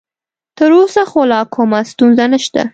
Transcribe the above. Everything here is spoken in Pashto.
تر اوسه خو لا کومه ستونزه نشته.